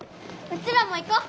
うちらも行こう。